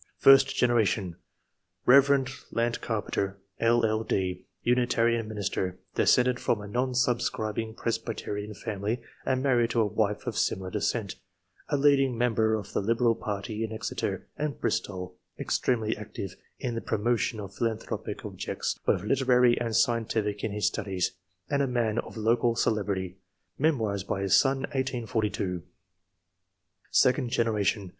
First generation. — Kev. Lant Carpenter, LL.D., 44 ENOLISH MEN OF SCIENCE. [chap. Unitarian minister; descended from a non sub scribing Presbyterian family, and married to a wife of similar descent ; a leading member of the Liberal party in Exeter and Bristol ; extremely active in the promotion of philanthropic objects ; both literary and scieutific in his studies, and a man of local celebrity (raemou's by his son, 1842). Second generation.